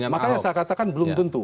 makanya saya katakan belum tentu